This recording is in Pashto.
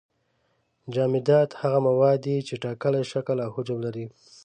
جامدات هغه مواد دي چې ټاکلی شکل او حجم لري.